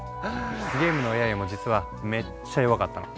ゲームのＡＩも実はめっちゃ弱かったの。